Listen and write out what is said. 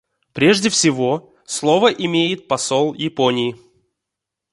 Прежде всего слово имеет посол Японии.